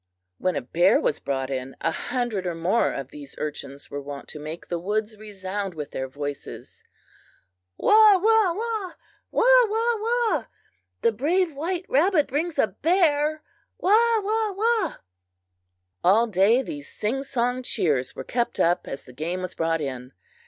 When a bear was brought in, a hundred or more of these urchins were wont to make the woods resound with their voices: "Wah! wah! wah! Wah! wah! wah! The brave White Rabbit brings a bear! Wah! wah! wah!" All day these sing song cheers were kept up, as the game was brought in.